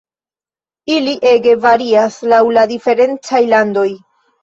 Ili ege varias laŭ la diferencaj landoj.